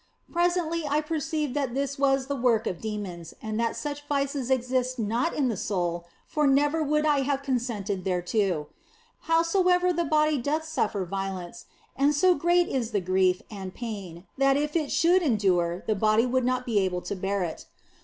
Presently I perceived that this was the work of demons and that such vices exist not in the soul, for never would I have consented thereto. Howsoever, the body doth suffer violence, and so great is the grief and pain that if it should endure the body would not be able to bear it.